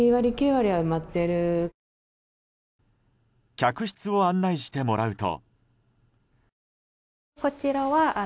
客室を案内してもらうと。